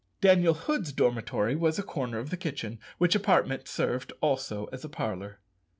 Daniel Hood's dormitory was a corner of the kitchen, which apartment served also as a parlour.